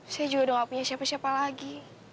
saya juga udah gak punya siapa siapa lagi